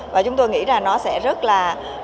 và chúng tôi nghĩ rằng nó sẽ rất là